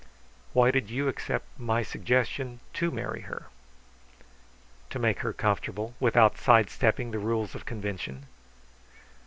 Why did you accept my suggestion to marry her?" "To make her comfortable without sidestepping the rules of convention."